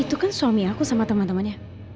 itu kan suami aku sama teman temannya